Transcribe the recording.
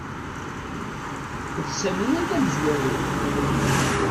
D Sami ay d amezwaru.